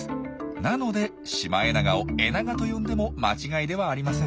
なのでシマエナガをエナガと呼んでも間違いではありません。